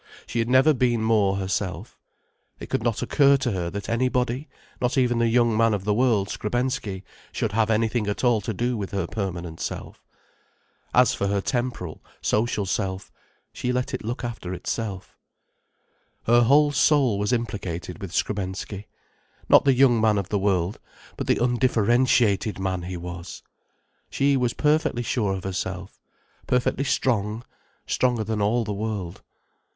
She had never been more herself. It could not occur to her that anybody, not even the young man of the world, Skrebensky, should have anything at all to do with her permanent self. As for her temporal, social self, she let it look after itself. Her whole soul was implicated with Skrebensky—not the young man of the world, but the undifferentiated man he was. She was perfectly sure of herself, perfectly strong, stronger than all the world.